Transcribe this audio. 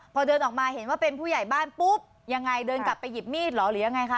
พอเดินออกมาเห็นว่าเป็นผู้ใหญ่บ้านปุ๊บยังไงเดินกลับไปหยิบมีดเหรอหรือยังไงคะ